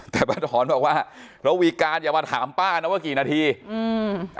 แต่ป้าถอนบอกว่าระวีการอย่ามาถามป้านะว่ากี่นาทีอืม